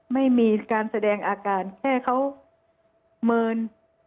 ไม่มีการแสดงอาการแค่เขาเมินเบื้องตึง